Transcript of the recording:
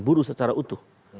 buruh secara utuh